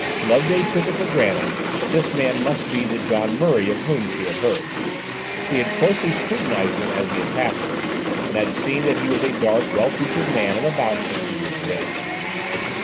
Loveday took it for granted that this man must be the John Murray of whom she had heard. She had closely scrutinized him as he had passed her, and had seen that he was a dark, well featured man of about fifty years of age.